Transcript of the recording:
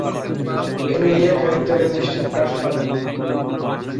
Emilia ক্যারেক্টারে নিশ্চিত crush খাবেন।